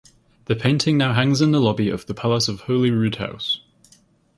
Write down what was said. The painting now hangs in the lobby of the Palace of Holyroodhouse.